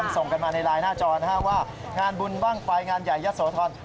ส่งกันมาในไลน์หน้าจอนะฮะว่างานบุญบ้างไฟงานใหญ่ยะโสธร